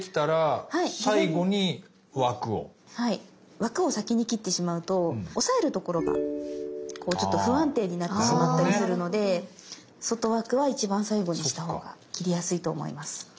枠を先に切ってしまうと押さえる所が不安定になってしまったりするので外枠は一番最後にしたほうが切りやすいと思います。